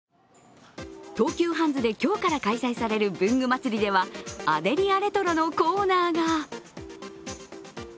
東急ハンズで今日から開催される文具祭りではアデリアレトロのコーナーが。